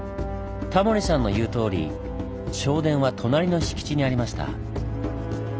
タモリさんの言うとおり正殿は隣の敷地にありました。